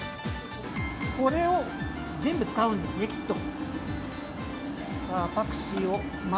これを全部使うんですねきっと。